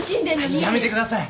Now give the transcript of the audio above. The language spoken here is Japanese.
やめてください。